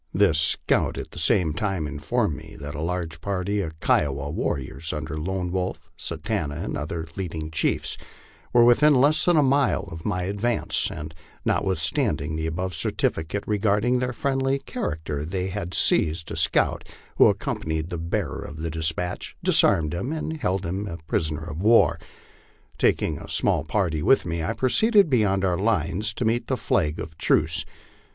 This scout at the same time informed me that a large party of Kiowa war riors, under Lone Wolf, Satanta, and other leading chiefs, were within less than a mile of my advance, and notwithstanding the above certificate regard ing their friendly character, they had seized a scout who accompanied the bearer of the despatch, disarmed him, and held him a prisoner of war. Tak ing a small party with me, I proceeded beyond our lines to meet the flag of truce.